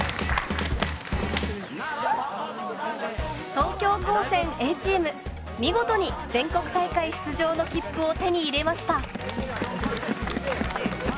東京高専Ａチーム見事に全国大会出場の切符を手に入れました。